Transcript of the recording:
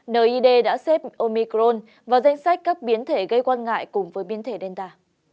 nid đã xếp omicron vào danh sách các biến thể gây quan ngại cùng với biến thể delta